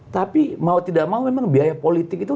tapi mau tidak mau memang biaya politik itu